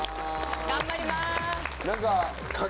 頑張ります。